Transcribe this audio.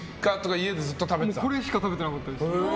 これしか食べたことなかったです。